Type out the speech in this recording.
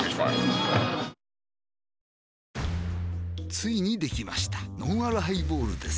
ついにできましたのんあるハイボールです